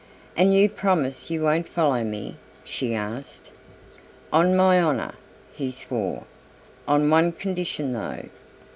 "And you promise you won't follow me?" she asked. "On my honour," he swore; "on one condition though."